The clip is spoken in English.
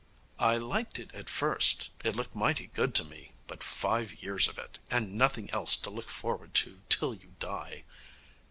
'I liked it at first. It looked mighty good to me. But five years of it, and nothing else to look forward to till you die....'